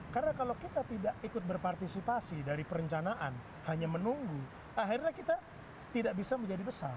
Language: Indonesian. karena kalau kita tidak ikut berpartisipasi dari perencanaan hanya menunggu akhirnya kita tidak bisa menjadi besar